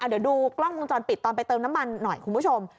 เดี๋ยวดูกล้องวงจรปิดตอนไปเติมน้ำมันหน่อยคุณผู้ชม